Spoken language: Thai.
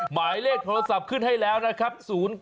หมายเลขโทรศัพท์ขึ้นให้แล้วนะครับ๐๙๕๔๒๙๗๙๒๒